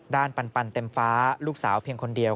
ปันเต็มฟ้าลูกสาวเพียงคนเดียว